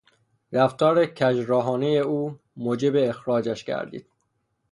رفتار کژراهانهی او موجب اخراجش گردید.